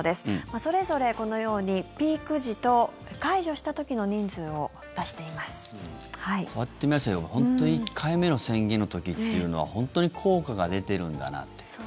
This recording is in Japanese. それぞれこのようにピーク時と解除した時の人数をこうやって見ますと本当に１回目の宣言の時というのは本当に効果が出てるんだなという。